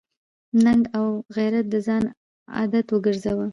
ننګ او غیرت د ځان عادت وګرځوه.